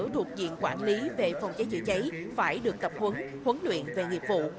thuộc diện quản lý về phòng cháy chữa cháy phải được tập huấn huấn luyện về nghiệp vụ